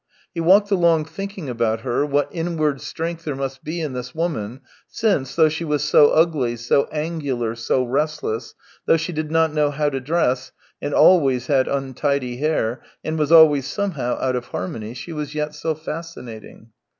He walked along thinking about her, what inward strength there must be in this woman, since, though she was so ugly, so angular, so restless, though she did not know how to dress, and always had untidy hair, and was always somehow out of harmony, she was yet so fascinating.